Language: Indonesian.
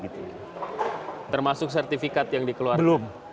termasuk sertifikat yang dikeluarkan